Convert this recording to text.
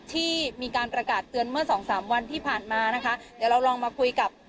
ที่มีการประกาศเตือนเมื่อสองสามวันที่ผ่านมานะคะเดี๋ยวเราลองมาคุยกับ